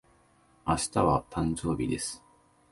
明日は、誕生日です。